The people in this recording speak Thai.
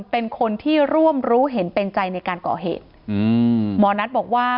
เป็นคนที่ร่วมรู้เห็นเป็นใจในการก่อเหตุอืมหมอนัทบอกว่า